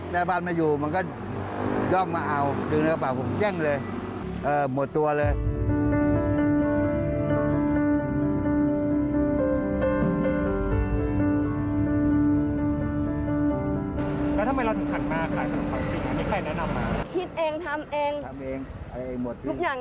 มันก็บอกไม่ถูกได้บ้างไม่ได้บ้าง